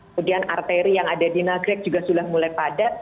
kemudian arteri yang ada di nagrek juga sudah mulai padat